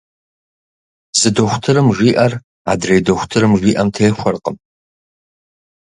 Зы дохутырым жиӏэр, адрей дохутырым жиӏэм техуэркъым.